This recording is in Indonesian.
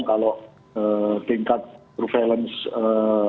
kalau tingkat prevalence